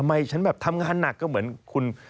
ฉันแบบทำงานหนักก็เหมือนคุณ